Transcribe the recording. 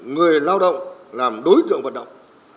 người lao động làm đối tượng hoạt động